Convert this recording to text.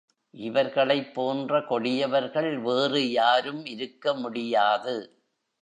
இவர்களைப் போன்ற கொடியவர்கள் வேறு யாரும் இருக்கமுடியாது.